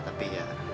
tapi ya baiklah